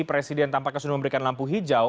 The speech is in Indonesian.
presiden tampaknya sudah memberikan lampu hijau